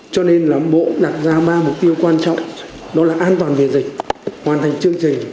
cho nên là bộ đặt ra ba mục tiêu quan trọng đó là an toàn về dịch hoàn thành chương trình